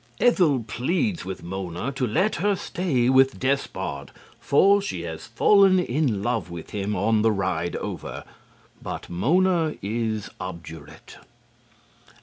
Ethel pleads with Mona to let her stay with Despard, for she has fallen in love with him on the ride over. But Mona is obdurate.